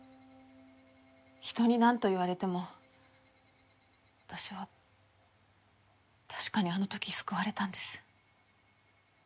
人になんと言われても私は確かにあの時救われたんです。